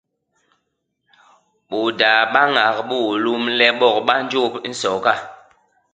Bôdaa ba ñak bôôlôm le bok ba njôp nsoga.